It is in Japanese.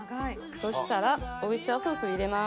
そしたらオイスターソース入れます。